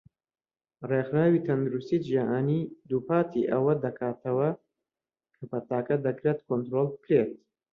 ڕێکخراوی تەندروستی جیهانی دووپاتی ئەوە دەکاتەوە کە پەتاکە دەکرێت کۆنترۆڵ بکرێت.